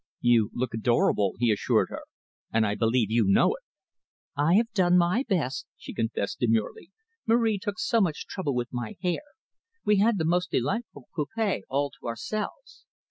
"You look adorable," he assured her, "and I believe you know it." "I have done my best," she confessed demurely. "Marie took so much trouble with my hair. We had the most delightful coupe all to ourselves.